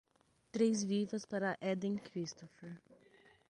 Três vivas para Aden Christopher.